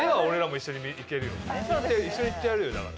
一緒に行ってやるよだから。